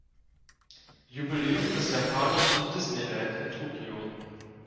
Jubiläum des japanischen Disneyland in Tokio.